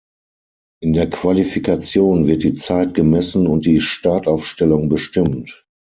In der Qualifikation wird die Zeit gemessen und die Startaufstellung bestimmt.